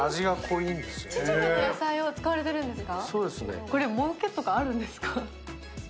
秩父の野菜を使われているんですか？